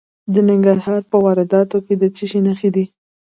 د ننګرهار په روداتو کې د څه شي نښې دي؟